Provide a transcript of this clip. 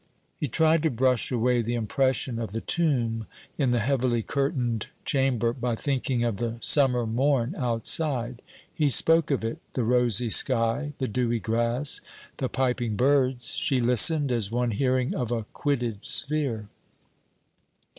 He tried to brush away the impression of the tomb in the heavily curtained chamber by thinking of the summer morn outside; he spoke of it, the rosy sky, the dewy grass, the piping birds. She listened, as one hearing of a quitted sphere.